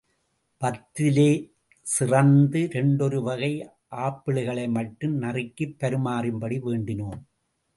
பத்திலே சிறந்த இரண்டொரு வகை ஆப்பிள்களை மட்டும் நறுக்கிப் பரிமாறும்படி வேண்டினோம்.